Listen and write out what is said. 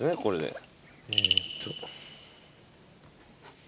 これで。